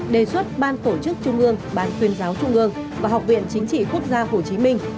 đề xuất ban tổ chức trung ương ban tuyên giáo trung ương và học viện chính trị quốc gia hồ chí minh